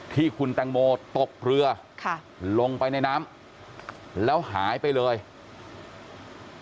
ที่คุณแตงโมตกเรือค่ะลงไปในน้ำแล้วหายไปเลย